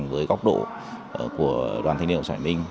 với góc độ của đoàn thanh niên hồ sải minh